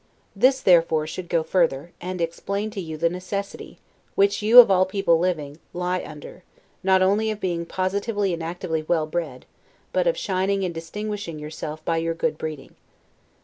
This, therefore, should go further, and explain to you the necessity, which you, of all people living, lie under, not only of being positively and actively well bred, but of shining and distinguishing yourself by your good breeding.